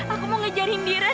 aku mau ngejar indira